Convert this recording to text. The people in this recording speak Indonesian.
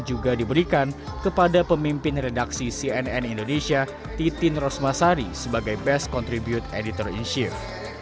juga diberikan kepada pemimpin redaksi cnn indonesia titin rosmasari sebagai best contribute editor in shift